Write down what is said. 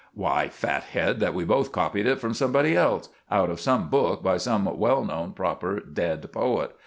"Why, fathead, that we both coppied it from somebody else out of some book by some well known proper dead poet.